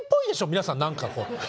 皆さん何かこう。